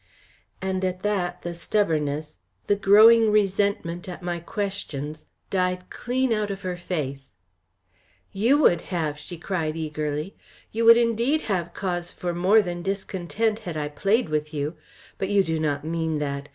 And at that the stubbornness, the growing resentment at my questions, died clean out of her face. "You would have!" she cried eagerly. "You would indeed have cause for more than discontent had I played with you. But you do not mean that.